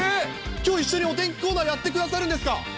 きょう一緒にお天気コーナー、やってくださるんですか。